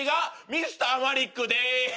Ｍｒ．マリックです！